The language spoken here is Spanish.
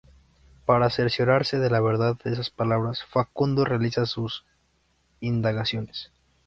Para cerciorarse de la verdad de esas palabras, Facundo realiza sus indagaciones.